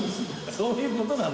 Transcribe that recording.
そういうことなの？